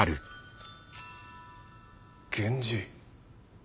源氏。